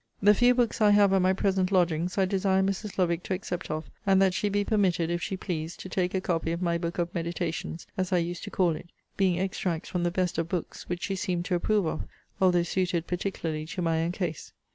The few books I have at my present lodgings, I desire Mrs. Lovick to accept of; and that she be permitted, if she please, to take a copy of my book of meditations, as I used to call it; being extracts from the best of books; which she seemed to approve of, although suited particularly to my own case.